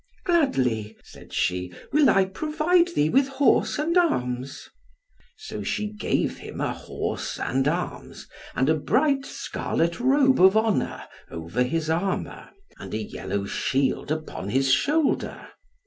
"Gladly," said she, "will I provide thee with horse and arms." So she gave him a horse and arms, and a bright scarlet robe of honour over his armour, and a yellow shield upon his shoulder.